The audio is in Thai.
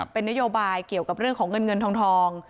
เป็นนโยบายเรื่องของเงินเงินทอง